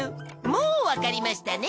もうわかりましたね？